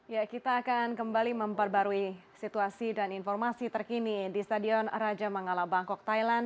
ya kita akan kembali memperbarui situasi dan informasi terkini di stadion raja mangala bangkok thailand